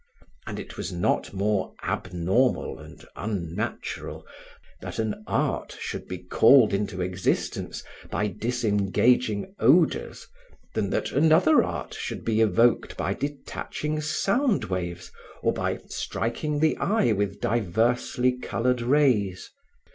And it was not more abnormal and unnatural that an art should be called into existence by disengaging odors than that another art should be evoked by detaching sound waves or by striking the eye with diversely colored rays.